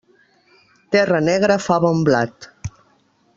Terra negra fa bon blat.